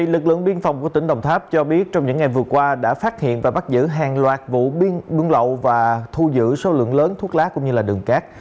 lực lượng biên phòng của tỉnh đồng tháp cho biết trong những ngày vừa qua đã phát hiện và bắt giữ hàng loạt vụ biên lậu và thu giữ số lượng lớn thuốc lá cũng như đường cát